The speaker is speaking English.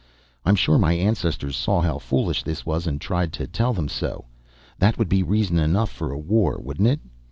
I'm sure my ancestors saw how foolish this was and tried to tell them so. That would be reason enough for a war, wouldn't it?"